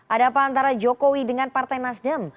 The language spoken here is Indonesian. ada apa antara jokowi dengan partai nasdem